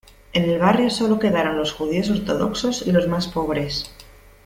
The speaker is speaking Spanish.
En el barrio sólo quedaron los judíos ortodoxos y los más pobres.